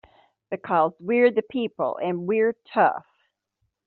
Because we're the people and we're tough!